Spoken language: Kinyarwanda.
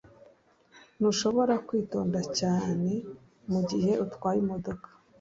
Ntushobora kwitonda cyane mugihe utwaye imodoka.